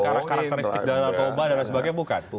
bukan karena karakteristik narotoba dan lain sebagainya bukan